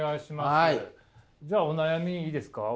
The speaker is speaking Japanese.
じゃあお悩みいいですか？